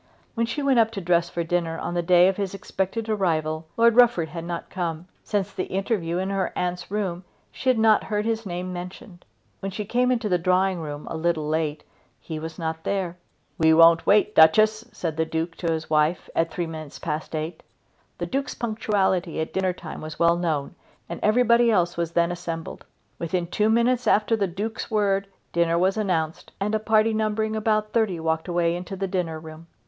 When she went up to dress for dinner on the day of his expected arrival Lord Rufford had not come. Since the interview in her aunt's room she had not heard his name mentioned. When she came into the drawing room, a little late, he was not there. "We won't wait, Duchess," said the Duke to his wife at three minutes past eight. The Duke's punctuality at dinner time was well known, and everybody else was then assembled. Within two minutes after the Duke's word dinner was announced, and a party numbering about thirty walked away into the dinner room.